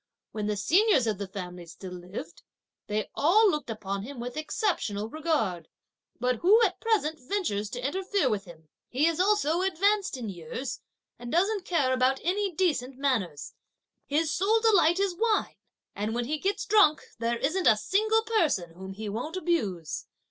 When the seniors of the family still lived, they all looked upon him with exceptional regard; but who at present ventures to interfere with him? He is also advanced in years, and doesn't care about any decent manners; his sole delight is wine; and when he gets drunk, there isn't a single person whom he won't abuse.